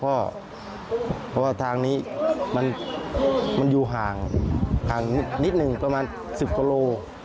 เพราะว่าทางนี้มันอยู่ห่างนิดหนึ่งประมาณ๑๐กว่าโล